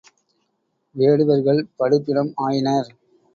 வேடுவர்கள் படு பிணம் ஆயினர்.